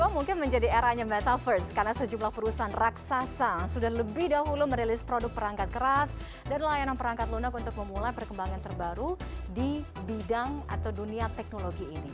mungkin menjadi eranya metaverse karena sejumlah perusahaan raksasa sudah lebih dahulu merilis produk perangkat keras dan layanan perangkat lunak untuk memulai perkembangan terbaru di bidang atau dunia teknologi ini